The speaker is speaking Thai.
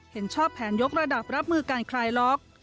เห็นชอบแผนยกระดับรับมือการคลายล็อก